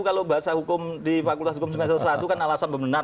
kalau bahasa hukum di fakultas hukum semester satu kan alasan pembenar